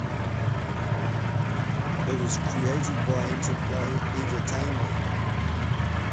It was created by Interplay Entertainment.